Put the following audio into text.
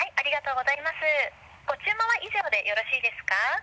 ご注文は以上でよろしいですか？